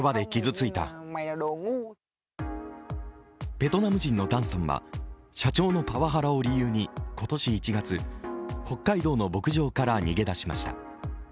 ベトナム人のダンさんは社長のパワハラを理由に今年１月北海道の牧場から逃げ出しました。